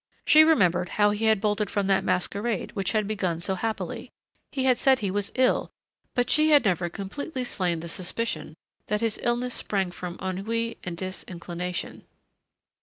She remembered how he had bolted from that masquerade which had begun so happily. He had said he was ill, but she had never completely slain the suspicion that his illness sprang from ennui and disinclination.